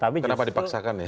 kenapa dipaksakan ya